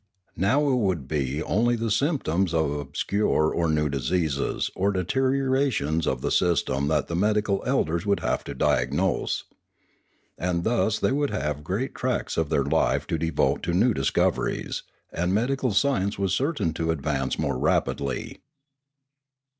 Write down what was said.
Now it would be only the symptoms of obscure or new diseases or deteriorations of the system that the medical elders would have to diagnose. And thus they would have great tracts of their life to devote to new discoveries, and medical science was certain to advance more rapidly.